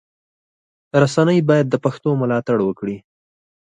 رسنی باید د پښتو ملاتړ وکړي.